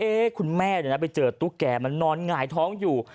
เอ๊คุณแม่เดี๋ยวนะไปเจอตุ๊กแกมันนอนหงายท้องอยู่